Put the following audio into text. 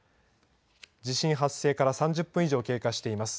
地震発生から３０分以上経過しています。